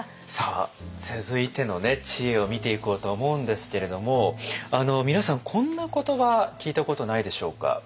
さあ続いての知恵を見ていこうと思うんですけれども皆さんこんな言葉聞いたことないでしょうか？